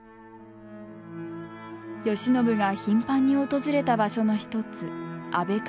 慶喜が頻繁に訪れた場所の一つ安倍川。